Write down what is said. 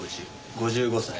５５歳。